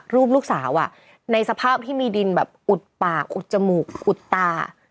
รูปลูกสาวในสภาพที่มีดินแบบอุดปากอุดจมูกอุดตา